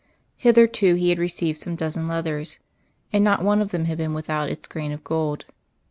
Hitherto he had received some dozen letters, and not one of them had been without its grain of gold.